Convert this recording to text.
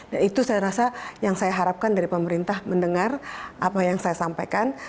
dan itu saya rasa yang saya harapkan dari pemerintah mendengar apa yang saya sampaikan